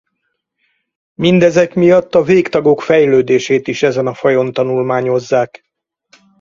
Mindezek miatt a végtagok fejlődését is ezen a fajon tanulmányozzák.